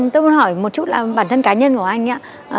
tôi muốn hỏi một chút là bản thân cá nhân của anh ạ